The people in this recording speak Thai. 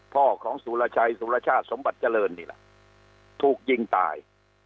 พ่อของสุรชัยสุรชาติสมบัติเจริญนี่แหละถูกยิงตาย